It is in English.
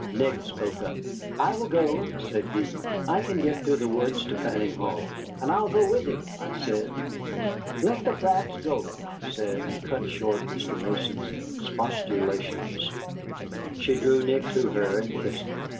Nick spoke up: "I will go," said he; "I can get through the woods to Fanning Hall " "And I will go with him," I said. "Let the brats go," she said, and cut short Mr. Mason's expostulations. She drew Nick to her and kissed him.